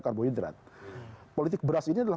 karbohidrat politik beras ini adalah